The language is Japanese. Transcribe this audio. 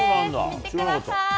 見てください。